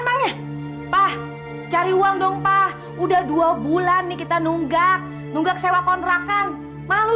tanya pak cari uang dong pak udah dua bulan nih kita nunggak nunggak sewa kontrakan malu